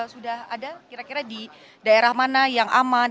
sudah ada kira kira di daerah mana yang aman